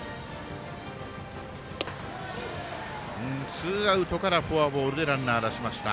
ツーアウトからフォアボールでランナー出しました。